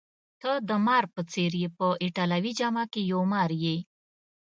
ته د مار په څېر يې، په ایټالوي جامه کي یو مار یې.